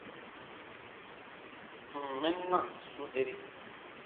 Ǹ n mɛn na, su deri.